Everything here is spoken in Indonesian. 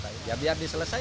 ya biar diselesaikan